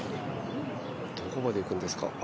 どこまでいくんですか？